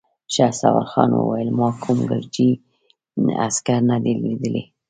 شهسوارخان وويل: ما کوم ګرجۍ عسکر نه دی ليدلی!